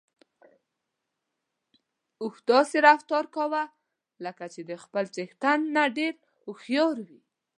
اوښ داسې رفتار کاوه لکه چې د خپل څښتن نه ډېر هوښيار وي.